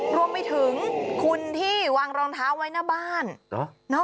รวมไปถึงคุณที่วางรองเท้าไว้หน้าบ้าน